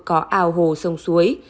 có ao hồ sông suối